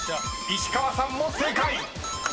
石川さんも正解］